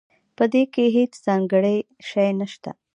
پدې کې هیڅ ځانګړی شی نشته